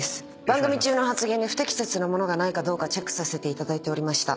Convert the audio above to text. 番組中の発言に不適切なものがないかチェックさせていただいておりました。